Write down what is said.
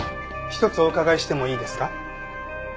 一つお伺いしてもいいですか？